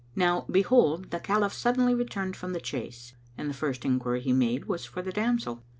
Now, behold, the Caliph suddenly returned from the chase, and the first enquiry he made was for the damsel.